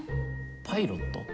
パイロット？